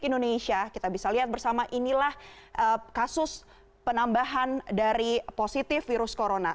indonesia kita bisa lihat bersama inilah kasus penambahan dari positif virus corona